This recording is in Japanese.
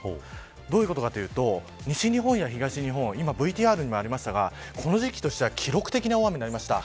どういうことかというと西日本や東日本はＶＴＲにもありましたがこの時期としては記録的な大雨になりました。